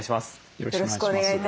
よろしくお願いします。